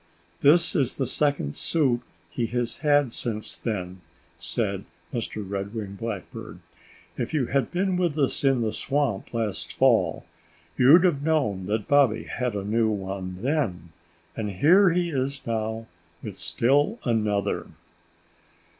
This is the second suit he has had since then," said Mr. Red winged Blackbird. "If you had been with us in the swamp last fall you'd have known that Bobby had a new one then. And here he is now with still another."